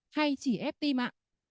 hay chỉ ép tim ạ